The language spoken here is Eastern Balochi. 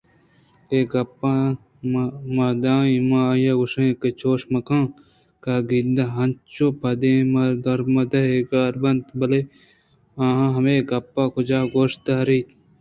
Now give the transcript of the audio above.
اے گپاں مادائم آئی ءَ گوٛشاں کہ چوش مہ کن کاگداں انچو پہ دیم دور مہ دئے گار بنت بلئے آ مئے گپاں کجا گوش داریت